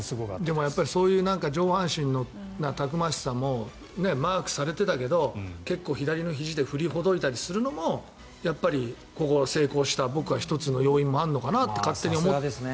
そういう上半身のたくましさもマークされてたけど結構、左のひじで振りほどいたりするのも成功した１つの要因でもあるのかなとさすがですね。